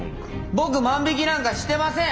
僕万引きなんかしてません。